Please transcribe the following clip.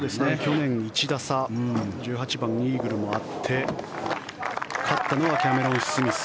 去年、１打差１８番にイーグルもあって勝ったのはキャメロン・スミス。